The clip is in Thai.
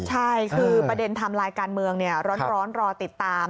ใช่คือประเด็นไทม์ไลน์การเมืองร้อนรอติดตาม